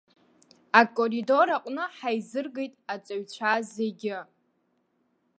Акоридор аҟны ҳаизыргеит аҵаҩцәа зегьы.